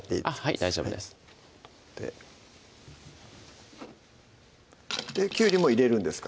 はい大丈夫ですきゅうりも入れるんですか？